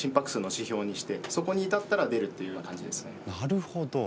なるほど。